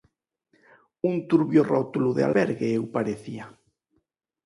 Un turbio rótulo de albergue eu parecía.